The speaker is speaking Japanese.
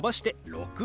６。